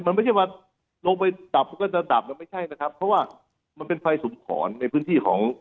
มันไม่ใช่ว่าลงไปดับมันก็จะดับแล้วไม่ใช่นะครับเพราะว่ามันเป็นไฟสุมขอนในพื้นที่ของ